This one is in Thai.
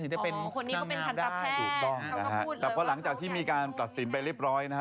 จะเป็นนางงามได้ถูกต้องนะฮะแต่พอหลังจากที่มีการตัดสินไปเรียบร้อยนะฮะ